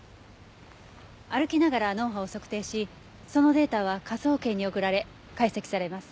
歩きながら脳波を測定しそのデータは科捜研に送られ解析されます。